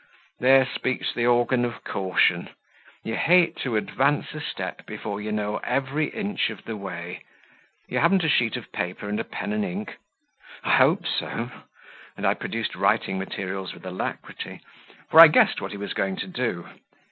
"There speaks the organ of caution. You hate to advance a step before you know every inch of the way. You haven't a sheet of paper and a pen and ink?" "I hope so," and I produced writing materials with alacrity; for I guessed what he was going to do.